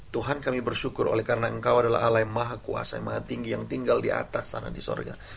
tuhan kami bersyukur oleh karena engkau adalah alam yang maha kuasa yang maha tinggi yang tinggal di atas tanah di surga